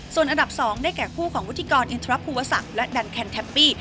ส่วนอันดับ๒ได้แก่คู่ของวุฒิกรอินทรภูวศักดิ์และดันแคนแฮปปี้